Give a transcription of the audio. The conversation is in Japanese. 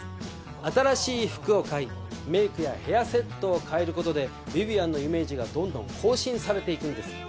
新しい服を買いメイクやヘアセットを変えることでヴィヴィアンのイメージがどんどん更新されていくんです。